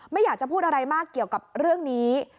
ไม่อยากจะพูดอะไรมากเกี่ยวกับเรื่องนี้